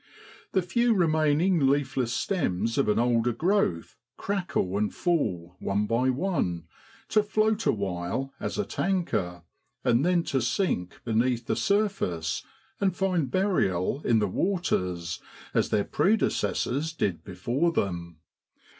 The few remaining leafless stems of an older growth crackle and fall one by one, to float awhile as at anchor, and then to sink beneath the surface and find burial in the waters, as their predecessors did before them.